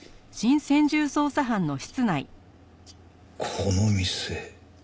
この店。